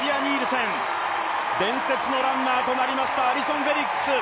伝説のランナーとなりましたアリソン・フェリックス。